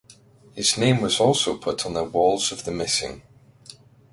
His name was also put on the Walls of the Missing.